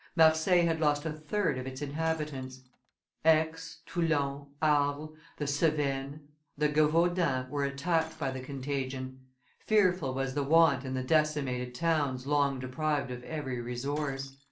Marseilles had lost a third of its inhabitants. Aix, Toulon, Arles, the Cevennes, the Gevaudan were attacked by the contagion; fearful was the want in the decimated towns long deprived of every resource.